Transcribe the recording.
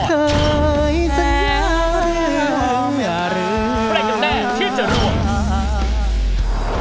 เป็นใครกันแน่ที่จะรวม